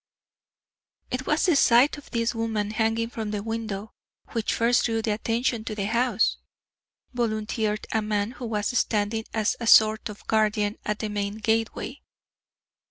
"It was the sight of this woman hanging from the window which first drew attention to the house," volunteered a man who was standing as a sort of guardian at the main gateway.